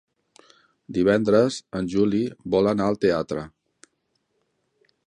Divendres en Juli vol anar al teatre.